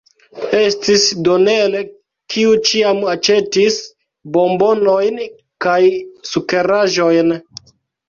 Estis Donel, kiu ĉiam aĉetis bombonojn kaj sukeraĵojn.